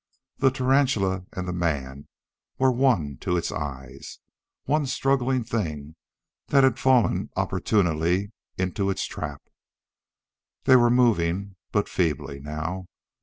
The tarantula and the man were one to its eyes one struggling thing that had fallen opportunely into its trap. They were moving but feebly, now.